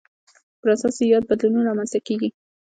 پر اساس یې یاد بدلونونه رامنځته کېږي.